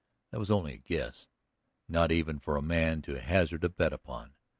That was only a guess, not even for a man to hazard a bet upon.